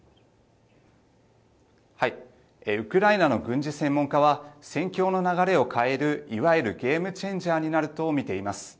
ウクライナの軍事専門家は戦況の流れを変えるいわゆるゲームチェンジャーになると見ています。